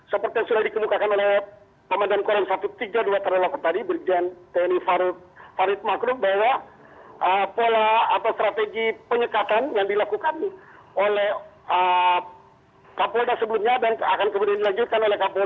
seperti yang sudah dikemukakan oleh ramadan quran satu ratus tiga puluh dua taruh lohar tadi berjalan tni farid makrub bahwa pola atau strategi penyekatan yang dilakukan oleh kapolda sebelumnya dan akan kemudian dilanjutkan oleh kapolda sajid